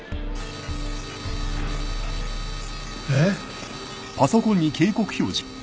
えっ？